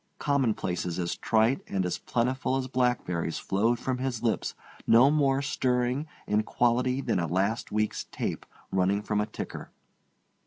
Commonplaces as trite and as plentiful as blackberries flowed from his lips no more stirring in quality than a last week's tape running from a ticker.